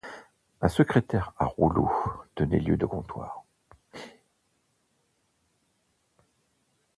Un secrétaire à rouleau tenait lieu de comptoir.